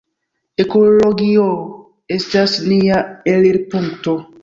Ekologio estas nia elirpunkto.